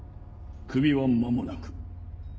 首は間もなく。